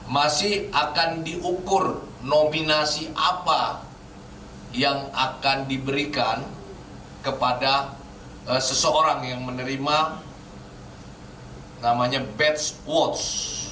masih akan diukur nominasi apa yang akan diberikan kepada seseorang yang menerima badge awards